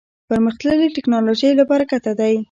پرمختللې ټکنالوژۍ له برکته دی.